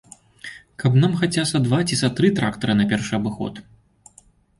Каб нам хаця са два ці са тры трактары на першы абыход.